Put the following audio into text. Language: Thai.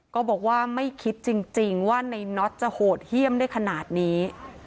ก็บอกว่าไม่คิดจริงว่าในน็อตจะโหดเยี่ยมได้ขนาดนี้